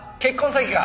詐欺か。